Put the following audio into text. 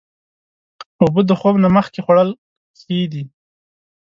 اوبه د خوب نه مخکې خوړل ښې دي.